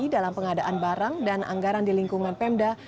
dalam pengadaan barang dan anggaran di lingkungan pemda